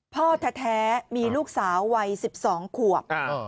พ่อแท้มีลูกสาววัย๑๒ขวบ